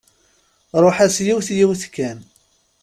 Ruḥ-as yiwet yiwet kan.